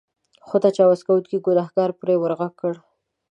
خو تجاوز کوونکي ګنهکار پرې ورغږ کړ.